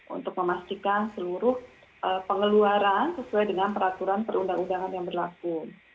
untuk memastikan seluruh pengeluaran sesuai dengan peraturan perundang undangan yang berlaku